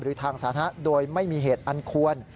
ทางสาธารณะโดยไม่มีเหตุอันควร